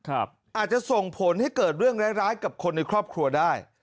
อาจจะส่งผลให้เกิดเรื่องร้ายกับคนในครอบครัวได้